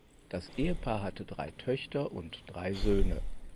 Das Ehepaar hatte drei Töchter und drei Söhne.